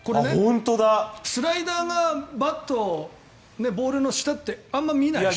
スライダーがバットボールの下ってあまり見ないでしょ。